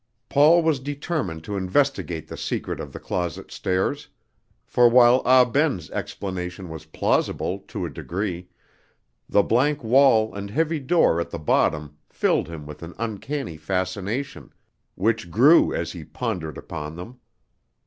Paul was determined to investigate the secret of the closet stairs; for while Ah Ben's explanation was plausible to a degree, the blank wall and heavy door at the bottom filled him with an uncanny fascination, which grew as he pondered upon them.